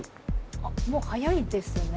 あっもう早いですね。